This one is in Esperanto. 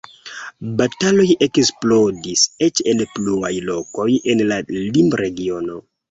Bataloj eksplodis eĉ en pluaj lokoj en la limregiono.